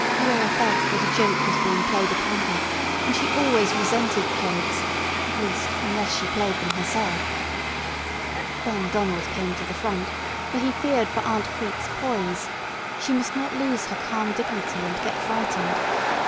Luella felt that a joke was being played upon her, and she always resented jokes—at least, unless she played them herself. Then Donald came to the front, for he feared for Aunt Crete's poise. She must not lose her calm dignity and get frightened.